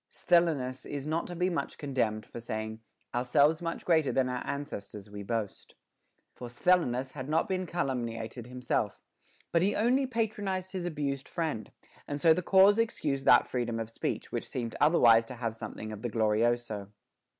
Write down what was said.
Sthenelus is not to be much condemned for saying, Ourselves much greater than our ancestors We boast;* for Sthenelus had not been calumniated himself, but he only patronized his abused friend ; and so the cause ex cused that freedom of speech, which seemed otherwise to have something of the glorioso.